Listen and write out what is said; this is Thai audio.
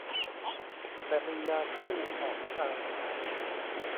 แต่มียาคู่หอกชัย